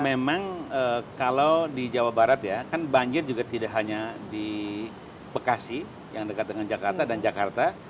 memang kalau di jawa barat ya kan banjir juga tidak hanya di bekasi yang dekat dengan jakarta dan jakarta